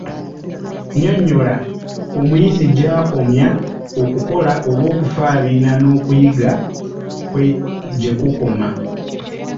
Nnyonnyola: Omuyizi gy'akomya okukola oba okufaabiina n'okuyiga kwe gye kukoma.